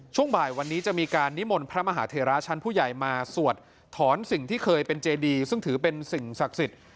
ช่วงบ่ายวันนี้จะมีการนิมนต์พระมหาเทราชั้นผู้ใหญ่มาสวดถอนสิ่งที่เคยเป็นเจดีซึ่งถือเป็นสิ่งศักดิ์สิทธิ์